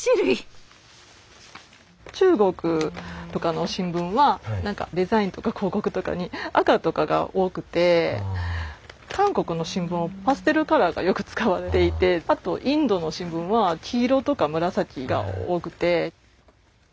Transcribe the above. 中国とかの新聞はデザインとか広告とかに赤とかが多くて韓国の新聞はパステルカラーがよく使われていてあとインドの新聞は黄色とか紫が多くて。